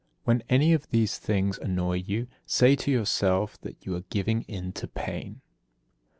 When any of these things annoy you, say to yourself that you are giving in to pain.